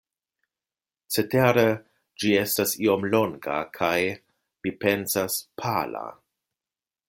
Cetere ĝi estas iom longa kaj, mi pensas, pala.